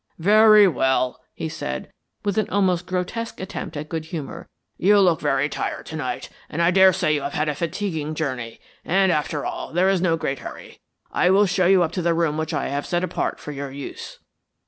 "Very well," he said, with an almost grotesque attempt at good humor. "You look very tired tonight, and I daresay you have had a fatiguing journey and, after all, there is no great hurry. I will show you up to the room which I have set apart for your use."